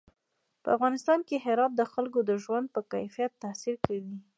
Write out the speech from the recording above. په افغانستان کې هرات د خلکو د ژوند په کیفیت تاثیر کوي.